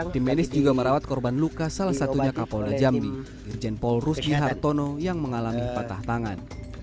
tim medis juga merawat korban luka salah satunya kapolda jambi irjen paul rusdi hartono yang mengalami patah tangan